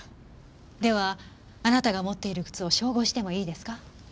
ではあなたが持っている靴を照合してもいいですか？